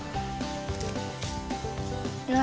うわ！